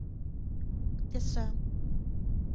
一雙